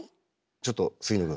ちょっと杉野くん。